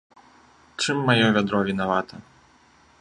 Чым маё вядро вінавата?